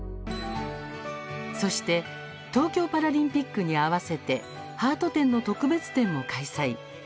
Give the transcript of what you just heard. そして、東京パラリンピックに合わせてハート展の特別展も開催。